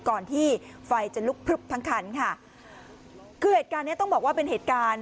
ก่อนที่ไฟจะลุกพลึบทั้งคันค่ะคือเหตุการณ์เนี้ยต้องบอกว่าเป็นเหตุการณ์